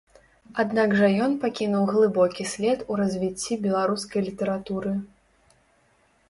Аднак жа ён пакінуў глыбокі след у развіцці беларускай літаратуры.